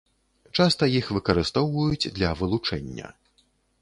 Часта іх выкарыстоўваюць для вылучэння.